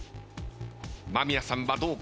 間宮さんはどうか？